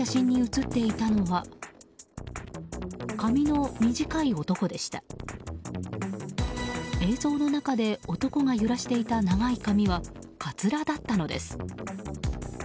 映像の中で男が揺らしていた長い髪はカツラだったのです。